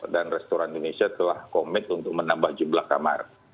dan restoran indonesia telah komit untuk menambah jumlah kamar